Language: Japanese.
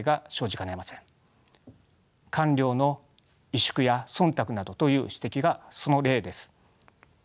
官僚の萎縮や忖度などという指摘がその例です。